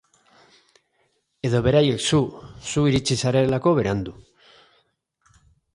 Edo beraiek zu, zu iritsi zarelako berandu.